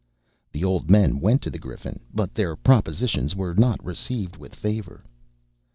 The old men went to the Griffin, but their propositions were not received with favor.